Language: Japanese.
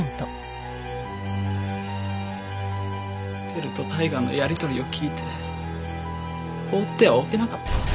輝と大我のやり取りを聞いて放ってはおけなかった。